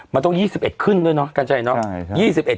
มันต้อง๒๑ขึ้นด้วยเนาะกัญชัยเนาะ